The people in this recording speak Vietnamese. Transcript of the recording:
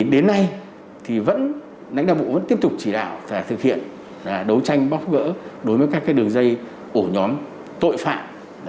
đến nay đảng đảng bộ vẫn tiếp tục chỉ đạo và thực hiện đấu tranh bóc gỡ đối với các đường dây ổ nhóm tội phạm